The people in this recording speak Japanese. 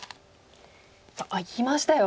あっいきましたよ。